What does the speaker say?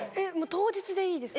当日でいいです。